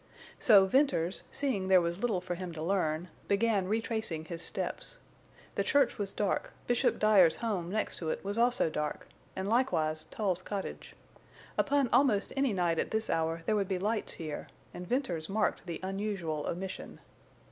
So Venters, seeing there was little for him to learn, began retracing his steps. The church was dark, Bishop Dyer's home next to it was also dark, and likewise Tull's cottage. Upon almost any night at this hour there would be lights here, and Venters marked the unusual omission.